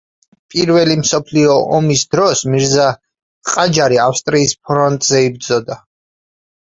პირველი მსოფლიო ომის დროს, მირზა ყაჯარი ავსტრიის ფრონტზე იბრძოდა.